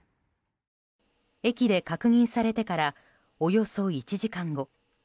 駅で確認されてからおよそ１時間後。